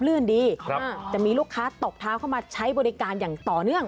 ลื่นดีครับจะมีลูกค้าตบเท้าเข้ามาใช้บริการอย่างต่อเนื่อง